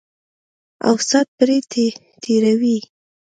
او سات پرې تېروي.